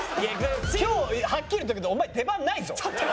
今日はっきり言っとくけどお前出番ないぞ。